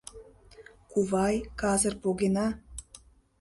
— Кувай, казыр погена.